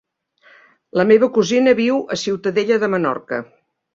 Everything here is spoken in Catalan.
La meva cosina viu a Ciutadella de Menorca.